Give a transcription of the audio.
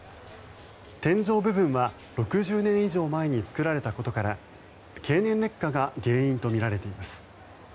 天井部分は６０年以上前に作られたことから経年劣化が原因とみられています。